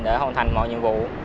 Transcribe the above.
để hồn thành mọi nhiệm vụ